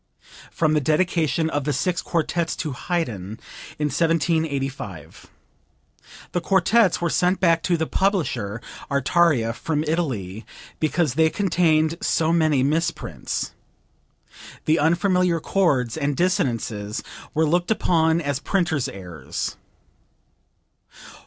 (From the dedication of the Six Quartets to Haydn in 1785. The quartets were sent back to the publisher, Artaria, from Italy, because "they contained so many misprints." The unfamiliar chords and dissonances were looked upon as printers' errors.